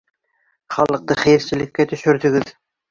Халыҡты хәйерселеккә төшөрҙөгөҙ!